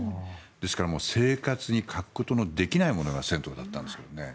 ですから生活に欠くことのできないものが銭湯だったんですけどね